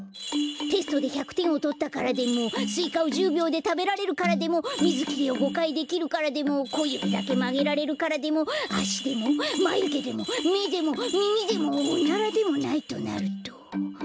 テストで１００てんをとったからでもスイカを１０びょうでたべられるからでもみずきりを５かいできるからでもこゆびだけまげられるからでもあしでもまゆげでもめでもみみでもおならでもないとなると。